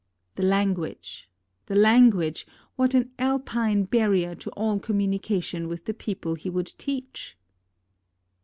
The language, the language, — what an Alpine barrier to all communication with the people he would teach